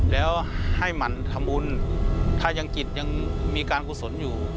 แล้วให้มันทำวุ่นถ้ายังจิตยังมีการคุดสนอยู่